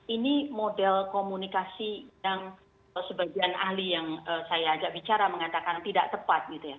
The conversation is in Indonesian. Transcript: ini model komunikasi yang sebagian ahli yang saya ajak bicara mengatakan tidak tepat gitu ya